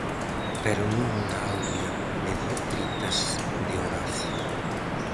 Pero non na áurea mediocritas de Horacio.